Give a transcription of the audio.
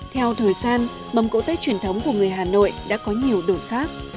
theo thời gian mâm cỗ tết truyền thống của người hà nội đã có nhiều đổi khác